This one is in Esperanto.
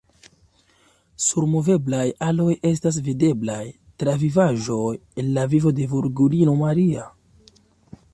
Sur moveblaj aloj estas videblaj travivaĵoj el la vivo de Virgulino Maria.